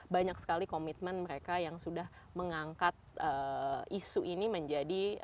banyak sekali komitmen mereka yang sudah mengangkat isu ini menjadi